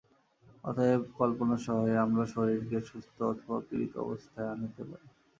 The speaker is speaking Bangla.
অতএব কল্পনা-সহায়ে আমরা শরীরকে সুস্থ অথবা পীড়িত অবস্থায় আনিতে পারি।